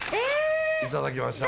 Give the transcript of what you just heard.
いただきましょう。